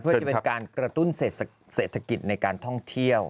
เพื่อจะเป็นการกระตุ้นเศรษฐกิจในการท่องเที่ยว